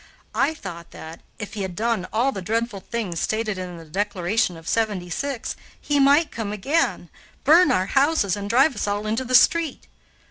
I thought that, if he had done all the dreadful things stated in the Declaration of '76, he might come again, burn our houses, and drive us all into the street.